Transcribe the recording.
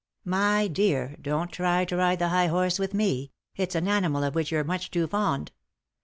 " My dear, don't try to ride the high horse with me ; it's an animal of which you're much too fond.